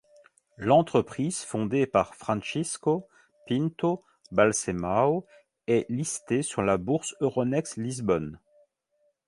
L'entreprise fondée par Francisco Pinto Balsemão, est listée sur la bourse Euronext Lisbon.